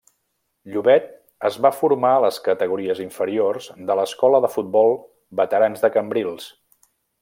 Llobet es va formar a les categories inferiors de l'Escola de Futbol Veterans de Cambrils.